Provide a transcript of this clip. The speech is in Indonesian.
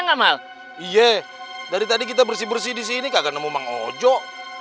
enggak mal iye dari tadi kita bersih bersih di sini kagak nemu manggung